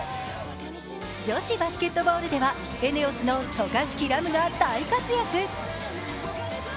女子バスケットボールではＥＮＥＯＳの渡嘉敷来夢が大活躍。